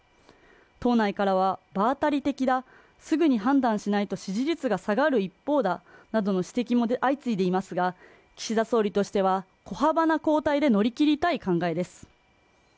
党内からは場当たり的だすぐに判断しないと支持率が下がる一方だなどの指摘もで相次いでいますが岸田総理としては小幅な交代で乗り切りたい考えです